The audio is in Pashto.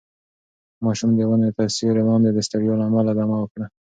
ماشوم د ونې تر سیوري لاندې د ستړیا له امله دمه وکړه.